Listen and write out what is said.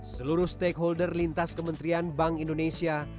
seluruh stakeholder lintas kementerian bank indonesia